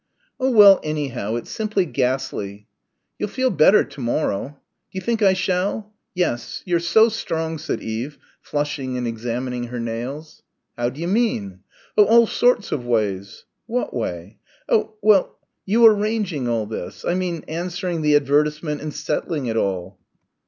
"Oh well, anyhow, it's simply ghastly." "You'll feel better to morrow." "D'you think I shall?" "Yes you're so strong," said Eve, flushing and examining her nails. "How d'you mean?" "Oh all sorts of ways." "What way?" "Oh well you arranging all this I mean answering the advertisement and settling it all."